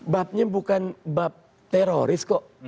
babnya bukan bab teroris kok